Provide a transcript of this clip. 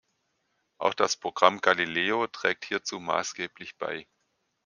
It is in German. Auch das Programm Galileo trägt hierzu maßgeblich bei.